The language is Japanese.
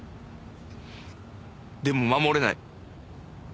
でも守れない。